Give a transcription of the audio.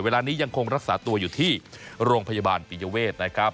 เวลานี้ยังคงรักษาตัวอยู่ที่โรงพยาบาลปิยเวทนะครับ